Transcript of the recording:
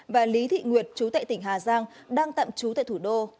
và lý thị nguyệt chú tại tỉnh hà giang đang tạm chú tại thủ đô